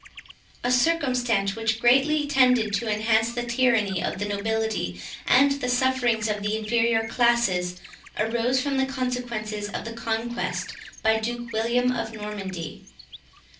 A circumstance which greatly tended to enhance the tyranny of the nobility, and the sufferings of the inferior classes, arose from the consequences of the Conquest by Duke William of Normandy.